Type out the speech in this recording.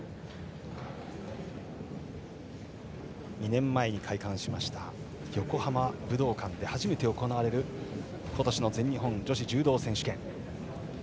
２年前に開館しました横浜武道館で初めて行われる今年の全日本女子柔道選手権。